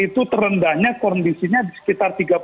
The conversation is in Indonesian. terendahnya kondisinya sekitar